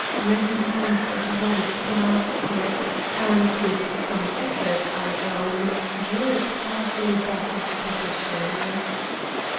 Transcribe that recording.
Ready hands at once grasped it, and, with some effort, I own, drew it carefully back into position.